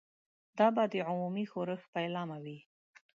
دا به د عمومي ښورښ پیلامه وي.